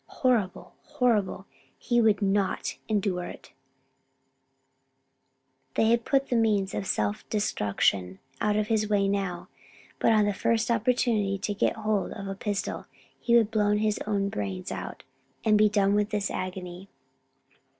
Horrible! horrible! he would not endure it; they had put the means of self destruction out of his way now, but on the first opportunity to get hold of a pistol, he would blow his own brains out and be done with this agony.